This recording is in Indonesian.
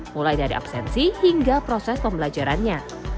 mulai dari absensi hingga proses pembelajarannya